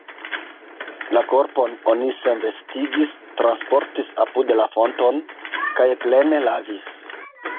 La korpon oni senvestigis, transportis apud la fonton, kaj plene lavis.